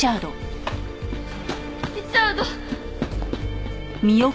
リチャード！